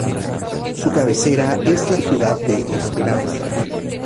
Su cabecera es la ciudad de Esperanza.